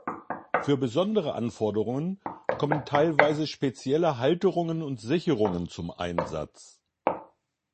Für besondere Anforderungen kommen teilweise spezielle Halterungen und Sicherungen zum Einsatz.